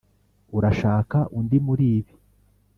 urashaka undi muribi?